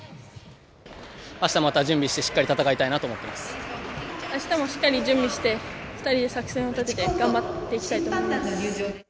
あしたまた準備してしっかりあしたもしっかり準備して、２人で作戦を立てて、頑張っていきたいと思います。